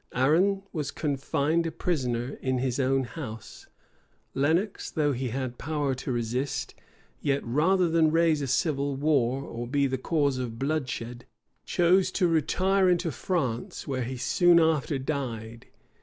Arran was confined a prisoner in his own house: Lenox, though he had power to resist, yet, rather than raise a civil war, or be the cause of bloodshed,[] chose to retire into France, where he soon after died.